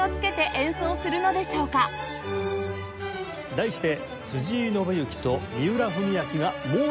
題して。